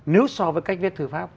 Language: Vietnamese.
nếu so với cách viết thư pháp